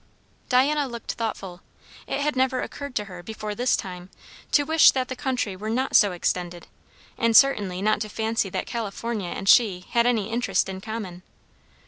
Diana looked thoughtful. It had never occurred to her, before this time, to wish that the country were not so extended; and certainly not to fancy that California and she had any interest in common.